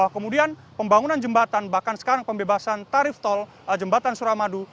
kemudian pembangunan jembatan bahkan sekarang pembebasan tarif tol jembatan suramadu